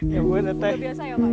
ya bun udah biasa ya pak